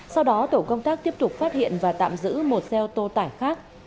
sau đó tổ công tác tiếp tục phát hiện và tạm giữ một xe ô tô tải khác